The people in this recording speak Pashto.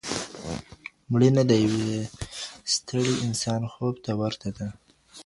مړینه د یو ستړي انسان خوب ته ورته ده.